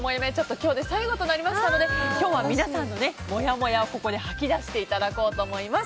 今日が最後となりましたので今日は皆さんのもやもやを吐き出していただこうと思います。